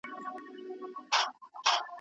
کومې توصيې خاوند او مېرمني دواړو ته متوجه دي؟